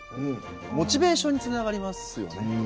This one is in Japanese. モチベーションにつながりますよね。